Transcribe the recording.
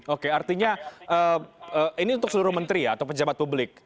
oke artinya ini untuk seluruh menteri ya atau pejabat publik